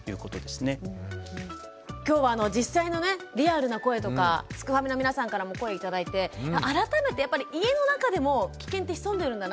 今日は実際のねリアルな声とかすくファミの皆さんからも声頂いて改めてやっぱり家の中でもキケンって潜んでるんだなって思いましたね。